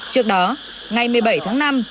trước đó ngày một mươi bảy tháng năm